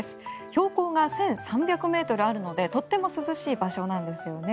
標高が１３００ｍあるのでとても涼しい場所なんですよね。